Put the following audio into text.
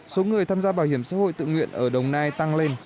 số người tham gia bảo hiểm xã hội tự nguyện ở đồng nai tăng lên